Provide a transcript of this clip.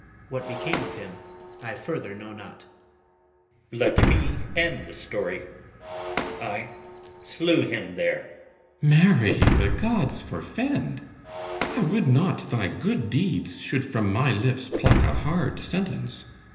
What became of him I further know not. GUIDERIUS. Let me end the story: I slew him there. CYMBELINE. Marry, the gods forfend! I would not thy good deeds should from my lips Pluck a hard sentence.